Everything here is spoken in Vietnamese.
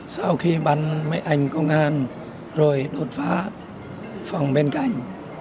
sau khi bắn mấy anh công an rồi đột phá phòng bên cạnh